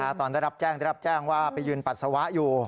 โอ้โหวตอนได้รับแจ้งว่าไปยืนปัสสาวะอยู่